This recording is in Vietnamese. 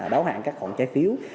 đấu hạn các khoản trái phiếu